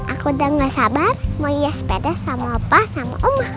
aku udah gak sabar mau iya sepeda sama pa sama umar